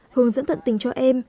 hướng dẫn tận tình cho em